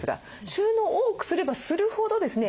収納を多くすればするほどですね